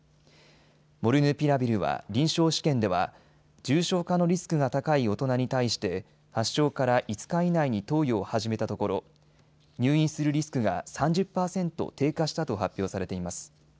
モルヌピラビルは臨床試験では重症化のリスクが高い大人に対して発症から５日以内に投与を始めたところ入院するリスクが３０％低下したと発表されています。